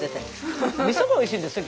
味噌がおいしいんですよ